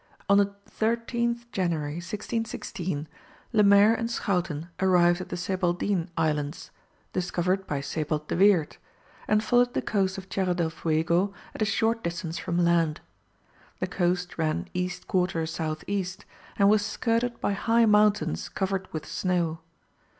On the 13th January, 1616, Lemaire and Schouten arrived at the Sebaldine Islands, discovered by Sebald de Weerdt, and followed the coast of Tierra del Fuego at a short distance from land. The coast ran east quarter south east, and was skirted by high mountains covered with snow.